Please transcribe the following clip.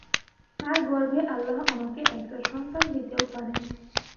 তার গর্ভে আল্লাহ আমাকে একটা সন্তান দিতেও পারেন।